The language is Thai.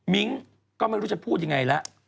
มิ้งก็ไม่รู้จะพูดยังไงแล้ว